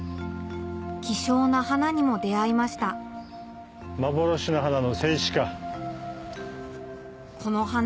希少な花にも出合いました幻の花の聖紫花。